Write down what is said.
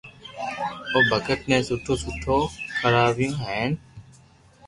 او بگت ني سٺو سٺو کراويو ھين